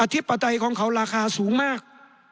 ธิปไตยของเขาราคาสูงมาก